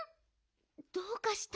どうかした？